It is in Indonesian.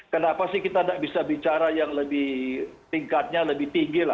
kenapa sih kita tidak bisa bicara yang lebih tingkatnya lebih tinggi lah